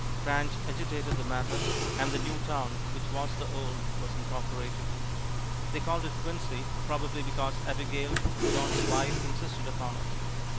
Cranch agitated the matter, and the new town, which was the old, was incorporated. They called it Quincy, probably because Abigail, John's wife, insisted upon it.